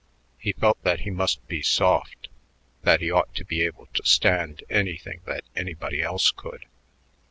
He felt that he must be soft, that he ought to be able to stand anything that anybody else could.